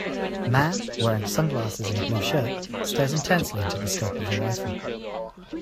Man, wearing sunglasses and a blue shirt, stares intensely into the scope of a rifle.